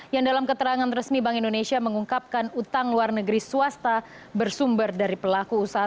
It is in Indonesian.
yang dalam keterangan resmi bank indonesia mengungkapkan utang luar negeri swasta bersumber dari pelaku usaha